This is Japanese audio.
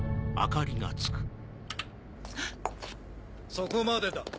そこまでだ。